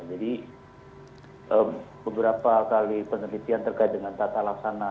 jadi beberapa kali penelitian terkait dengan tata laksana